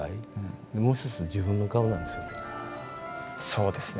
そうですね。